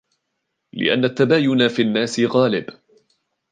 لِأَنَّ التَّبَايُنَ فِي النَّاسِ غَالِبٌ